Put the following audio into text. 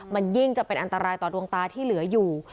มันยิ่งจะเป็นอันตรายต่อดวงตาที่เหลืออยู่